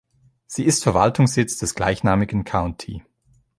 Sie ist Verwaltungssitz des gleichnamigen County.